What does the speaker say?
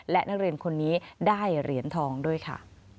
และนักเรียนคนนี้ได้เหรียญทองด้วยค่ะ